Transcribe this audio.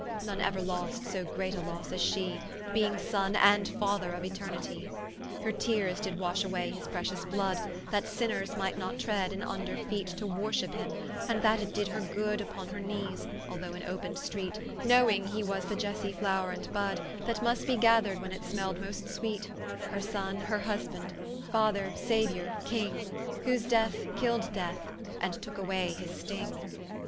None euer lost so great a losse as shee, Being Sonne, and Father of Eternitie. Her teares did wash away his pretious blood, That sinners might not tread in vnder feet To worship him, and that it did her good Vpon her knees, although in open street, Knowing he was the Iessie floure and bud, That must be gath'red when it smell'd most sweet: Her Sonne, her Husband, Father, Saviour, King, Whose death killd Death, and tooke away his sting.